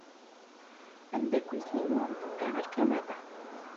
Tameddakelt-inu tedda ɣer Kanada.